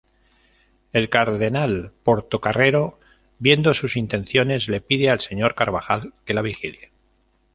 El cardenal Portocarrero, viendo sus intenciones, le pide al señor Carvajal que la vigile.